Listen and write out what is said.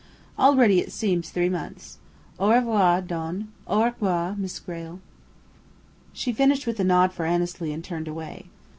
Already it seems three months. Au revoir, Don. Au revoir, Miss Grayle." She finished with a nod for Annesley, and turned away.